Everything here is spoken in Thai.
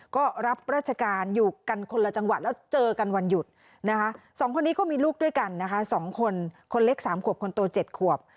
ก็รับราชการอยู่กันคนละจังหวัดแล้วเจอกันวันหยุดนะคะสองคนนี้ก็มีลูกด้วยกันนะคะ๒คนคนเล็ก๓ขวบคนโต๗ขวบ